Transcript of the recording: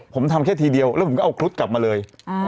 ผมทำแค่ทีเดียวแล้วผมก็เอาครุฑกลับมาเลย